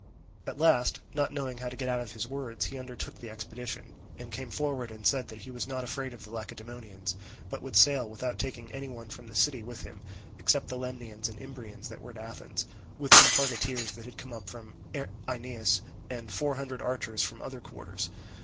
At last, not knowing how to get out of his words, he undertook the expedition, and came forward and said that he was not afraid of the Lacedaemonians, but would sail without taking any one from the city with him, except the Lemnians and Imbrians that were at Athens, with some targeteers that had come up from Aenus, and four hundred archers from other quarters.